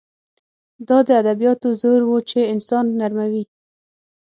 دا د ادبیاتو زور و چې انسان نرموي